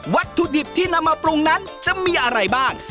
วัตถุดิบที่นำมาปรุงนั้นจะมีอะไรบ้าง